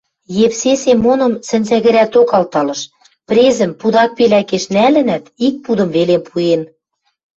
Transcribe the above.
Евсе Семоным сӹнзӓгӹрӓток алталыш: презӹм пудак-пелӓкеш нӓлӹнӓт, ик пудым веле пуэн.